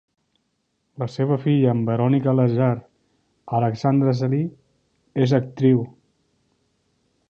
La seva filla amb Veronica Lazar, Alessandra Celi, és actriu.